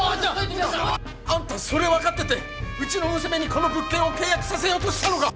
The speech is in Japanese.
あんたそれ分かっててうちの娘にこの物件を契約させようとしたのか！